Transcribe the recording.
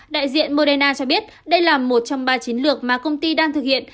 đại diện moderna cho biết đây là một trong ba chiến lược mà công ty đang thực hiện